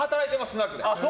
スナックで。